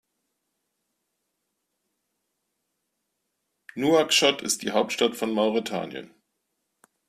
Nouakchott ist die Hauptstadt von Mauretanien.